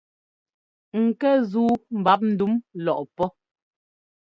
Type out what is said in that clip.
Ŋkɛ́ zúu mbap ndúm lɔʼpɔ́.